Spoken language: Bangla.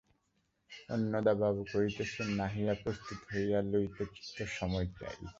অন্নদাবাবু কহিতেছেন, নাহিয়া প্রস্তুত হইয়া লইতে তো সময় চাই।